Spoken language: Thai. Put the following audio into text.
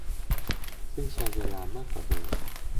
ซึ่งใช้เวลามากกว่าเดิม